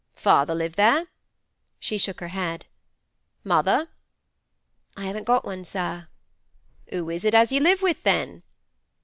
'Father live there?' She shook her head. 'Mother?' 'I haven't got one, sir.' 'Who is it as you live with, then?